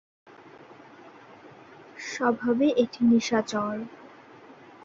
স্বভাবে এটি নিশাচর।